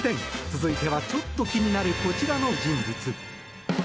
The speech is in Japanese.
続いてはちょっと気になるこちらの人物。